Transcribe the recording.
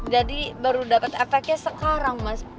jadi baru dapat efeknya sekarang mas